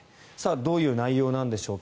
どういう内容なんでしょうか。